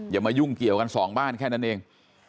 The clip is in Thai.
อย่ามายุ่งเกี่ยวกันสองบ้านแค่นั้นเอง